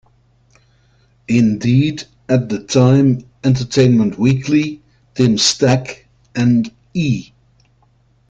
Indeed, at the time, "Entertainment Weekly" Tim Stack and "E!